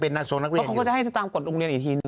เป็นนักส่งนักเรียนก็ก็จะให้ตามกดโรงเรียนอีกทีหนึ่ง